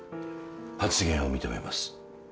発言を認めます。